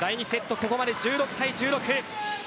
ここまで１６対１６。